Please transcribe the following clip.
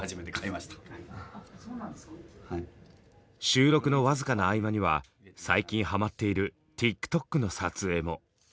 収録の僅かな合間には最近ハマっているＴｉｋＴｏｋの撮影も。